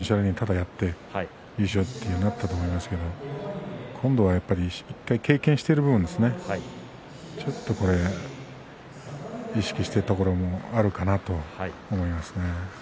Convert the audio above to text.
最初の優勝の時はがむしゃらにただやって優勝となったと思いますけれど今度はやっぱり１回経験している分ちょっとこれは意識しているところもあるかなと思いますね。